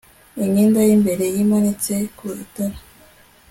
imyenda y'imbere yimanitse ku itara